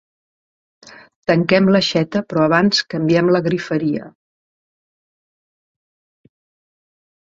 Tanquem l'aixeta, però abans canviem la “griferia”.